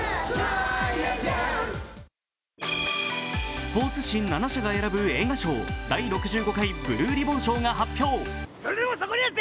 スポーツ紙７社が選ぶ映画賞、第６５回ブルーリボン賞が発表。